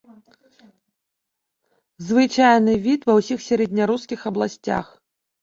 Звычайны від ва ўсіх сярэднярускіх абласцях.